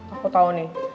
aku tahu nih